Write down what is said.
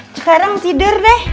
sekarang tidur deh